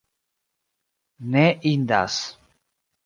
Ne indas.